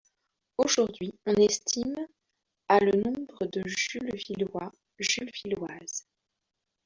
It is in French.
Aujourd'hui on estime à le nombre de Julievillois, Julievilloises.